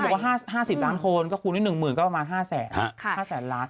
เขาบอกว่า๕๐ล้านคนก็คูณิดหนึ่งหมื่นก็ประมาณ๕แสนล้าน